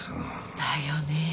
だよね。